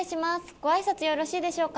ごあいさつよろしいでしょうか？